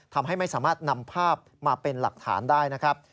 ทำให้ไม่สามารถนำภาพมาเป็นหลักฐานได้นะครับ